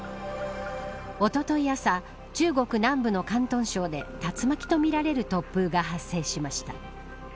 おととい朝中国南部の広東省で竜巻とみられる突風が発生しました。